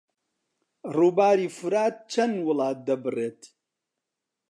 ڕووباری فورات چەند وڵات دەبڕێت؟